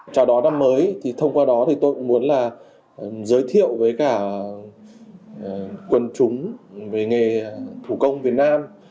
trò đó năm mới thì thông qua đó tôi muốn giới thiệu với cả quân chúng về nghề thủ công việt nam